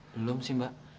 belum sih mbak